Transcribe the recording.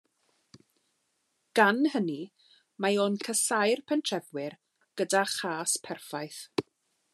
Gan hynny mae o'n casáu'r pentrefwyr gyda chas perffaith.